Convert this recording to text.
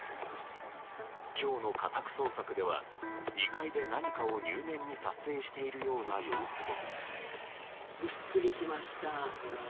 今日の家宅捜索では２階で何かを入念に撮影しているような様子も。